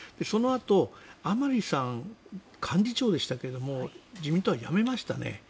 そのあと甘利さん幹事長でしたけど自民党は辞めましたね。